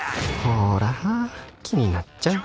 ほら気になっちゃう